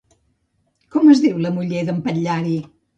Com es diu la muller d'en Patllari?